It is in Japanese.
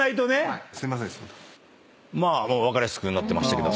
分かりやすくなってましたけど。